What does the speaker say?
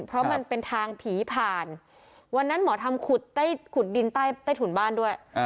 เพราะมันเป็นทางผีผ่านวันนั้นหมอทำขุดใต้ขุดดินใต้ถุนบ้านด้วย